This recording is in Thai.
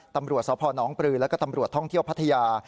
ตำรวจสภน้องปรือและตำรวจท่องเที่ยวพัทยา